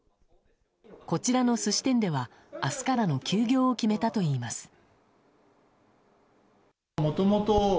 こちらの寿司店では明日からの休業を決めたといいます。